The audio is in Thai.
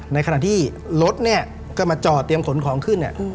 ในขณะที่รถเนี่ยก็มาจอดเตรียมขนของขึ้นเนี่ย